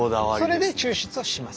それで抽出をします。